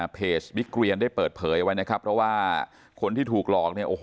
เพจวิกเรียนได้เปิดเผยไว้นะครับเพราะว่าคนที่ถูกหลอก